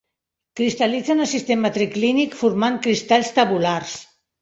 Cristal·litza en el sistema triclínic formant cristalls tabulars.